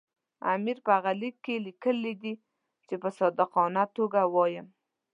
امیر په هغه لیک کې لیکلي دي چې په صادقانه توګه وایم.